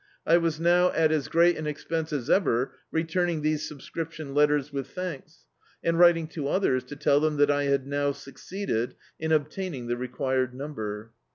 I was now at as great an expense as ever, returning these subscription letters with thanks; and writing to others to tell them that I had now succeeded in obtaining the required number.